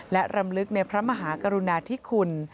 และรำลึกในพระมหากรุณาธิคุณ